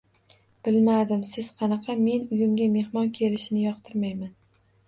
Bilmadim siz qanaqa men uyimga mehmon kelishini yoqtirmayman.